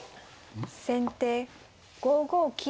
先手５五金。